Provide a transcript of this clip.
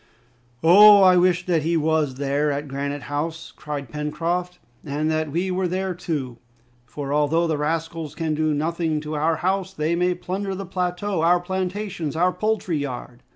"Oh! I wish that he was there, at Granite House!" cried Pencroft, "and that we were there, too! For, although the rascals can do nothing to our house, they may plunder the plateau, our plantations, our poultry yard!"